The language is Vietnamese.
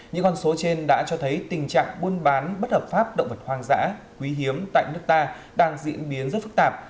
những con số trên đã cho thấy tình trạng buôn bán bất hợp pháp động vật hoang dã quý hiếm tại nước ta đang diễn biến rất phức tạp